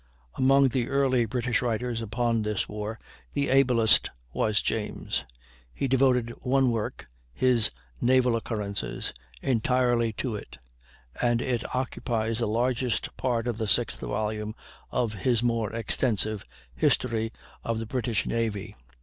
Among the early British writers upon this war, the ablest was James. He devoted one work, his "Naval Occurrences," entirely to it; and it occupies the largest part of the sixth volume of his more extensive "History of the British Navy."